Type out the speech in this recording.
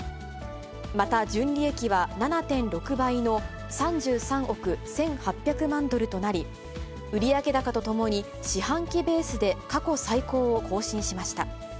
また、純利益は７．６倍の３３億１８００万ドルとなり、売上高とともに四半期ベースで過去最高を更新しました。